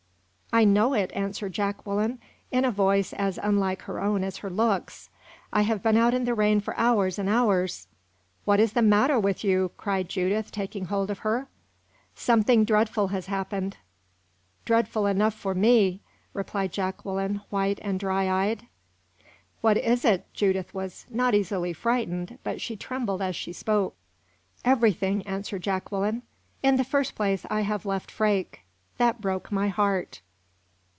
"I know it," answered Jacqueline, in a voice as unlike her own as her looks; "I have been out in the rain for hours and hours!" "What is the matter with you?" cried Judith, taking hold of her. "Something dreadful has happened!" "Dreadful enough for me!" replied Jacqueline, white and dry eyed. "What is it?" Judith was not easily frightened, but she trembled as she spoke. "Everything!" answered Jacqueline. "In the first place, I have left Freke. That broke my heart!"